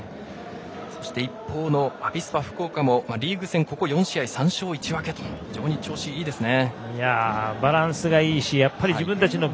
そして一方のアビスパ福岡もリーグ戦、ここ４試合３勝１分けと非常に調子いいですね。